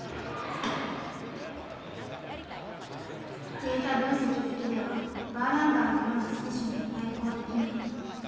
データ分析だけではバーランダーのような選手には対抗できない。